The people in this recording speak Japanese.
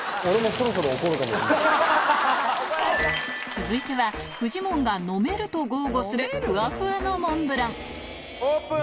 続いてはフジモンが「飲める」と豪語するふわふわのモンブランオープン！